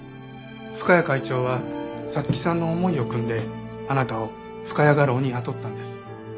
深谷会長は彩月さんの思いをくんであなたを深谷画廊に雇ったんです。